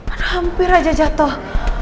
aduh hampir aja jatuh